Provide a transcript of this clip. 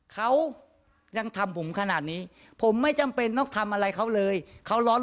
เขายังทำผมขนาดนี้ผมไม่จำเป็นต้องทำอะไรเขาเลยเขาร้อน